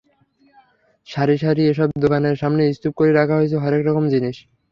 সারি সারি এসব দোকানের সামনে স্তূপ করে রাখা হয়েছে হরেক রকম জিনিস।